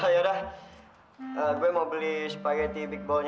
yaudah gue mau beli spaghetti meatballsnya